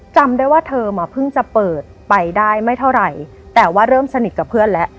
จำได้ว่าเธอมาเพิ่งจะเปิดไปได้ไม่เท่าไหร่แต่ว่าเริ่มสนิทกับเพื่อนแล้ว